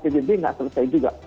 tidak selesai juga